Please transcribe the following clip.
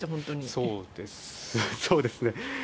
そうですね。